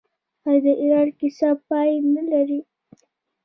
آیا د ایران کیسه پای نلري؟